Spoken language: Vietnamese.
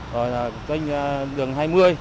rồi là kênh đường hai mươi